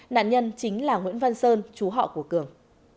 nạn nhân chính là nguyễn văn sơn chú họ của cường